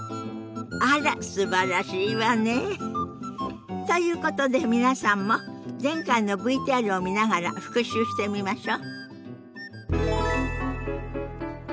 あらすばらしいわね。ということで皆さんも前回のＶＴＲを見ながら復習してみましょ。